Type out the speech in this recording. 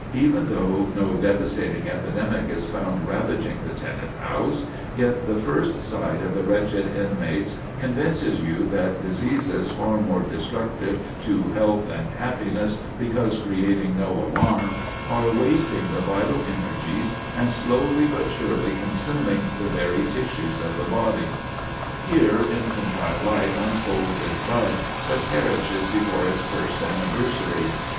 Even though no devastating epidemic is found ravaging the tenant house, yet the first sight of the wretched inmates convinces you that diseases far more destructive to health and happiness, because creating no alarm, are wasting the vital energies, and slowly but surely consuming the very tissues of the body. Here infantile life unfolds its bud, but perishes before its first anniversary.